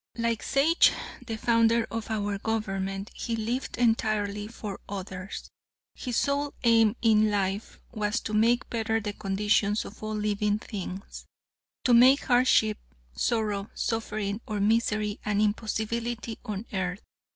Like Sage, the founder of our government, he lived entirely fox others. His sole aim in life was to make better the conditions of all living things; to make hardship, sorrow, suffering or misery an impossibility on earth.